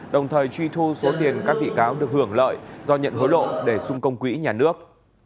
đồng thời truy thu số tiền các bị cáo được hưởng lợi do nhận hối lộ để xung công quỹ nhà nước